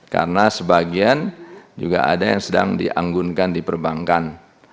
karena sebagian juga ada yang sedang dianggunkan di perbankan